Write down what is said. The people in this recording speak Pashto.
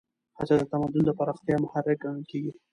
هڅه د تمدن د پراختیا محرک ګڼل کېږي.